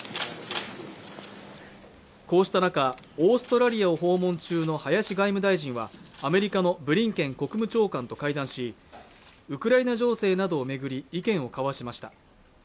こうした中オーストラリアを訪問中の林外務大臣はアメリカのブリンケン国務長官と会談しウクライナ情勢などを巡り意見を交わしました